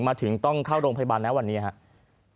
มาถึงต้องเข้าโรงพยาบาลนะวันนี้ครับ